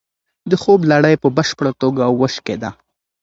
د خوب لړۍ په بشپړه توګه وشکېده.